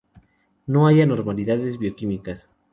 No hay anormalidades bioquímicas.